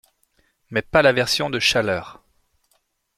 Mais pas la version de Schaller.